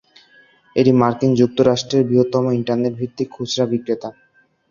এটি মার্কিন যুক্তরাষ্ট্রের বৃহত্তম ইন্টারনেট ভিত্তিক খুচরা বিক্রেতা।